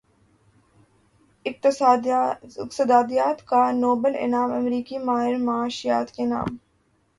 اقتصادیات کا نوبل انعام امریکی ماہر معاشیات کے نام